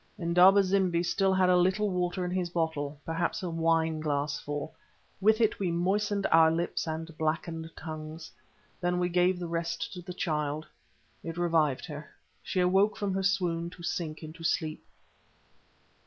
Indaba zimbi still had a little water in his bottle—perhaps a wine glassful. With it we moistened our lips and blackened tongues. Then we gave the rest to the child. It revived her. She awoke from her swoon to sink into sleep.